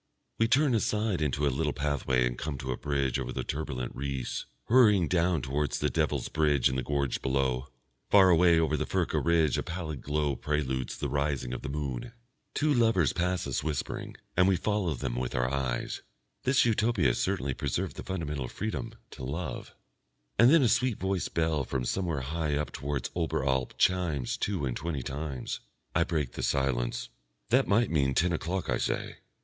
We turn aside into a little pathway and come to a bridge over the turbulent Reuss, hurrying down towards the Devil's Bridge in the gorge below. Far away over the Furka ridge a pallid glow preludes the rising of the moon. Two lovers pass us whispering, and we follow them with our eyes. This Utopia has certainly preserved the fundamental freedom, to love. And then a sweet voiced bell from somewhere high up towards Oberalp chimes two and twenty times. I break the silence. "That might mean ten o'clock," I say.